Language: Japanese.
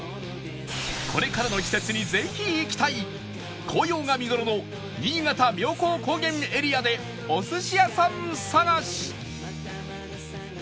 これからの季節にぜひ行きたい紅葉が見頃の新潟妙高高原エリアでお寿司屋さん探し